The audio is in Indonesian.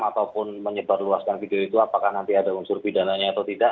ataupun menyebar luaskan video itu apakah nanti ada unsur bidananya atau tidak